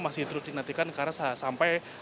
masih terus dinantikan karena sampai